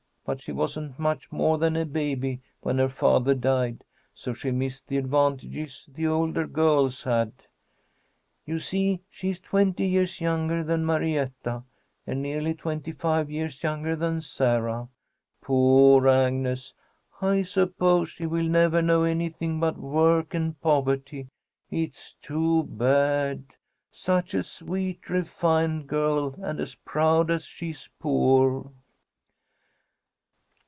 But she wasn't much more than a baby when her father died, so she missed the advantages the older girls had. You see she is twenty years younger than Marietta, and nearly twenty five years younger than Sarah. Poor Agnes! I suppose she will never know anything but work and poverty. It's too bad, such a sweet, refined girl, and as proud as she is poor."